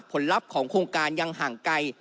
ลัพธ์ของโครงการยังห่างไกล